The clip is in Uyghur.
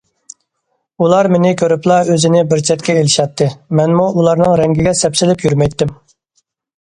ئۇلار مېنى كۆرۈپلا ئۆزىنى بىر چەتكە ئېلىشاتتى، مەنمۇ ئۇلارنىڭ رەڭگىگە سەپسېلىپ يۈرمەيتتىم.